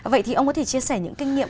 vậy thì ông có thể chia sẻ những kinh nghiệm